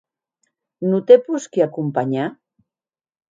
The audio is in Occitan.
Non te posqui acompanhar?